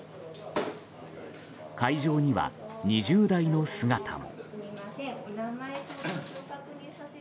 会場には２０代の姿も。